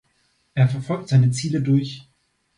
Er verfolgt seine Ziele durch